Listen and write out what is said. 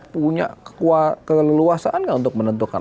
punya keleluasaan nggak untuk menentukan